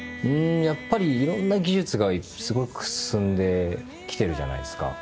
やっぱりいろんな技術がすごく進んできてるじゃないですか。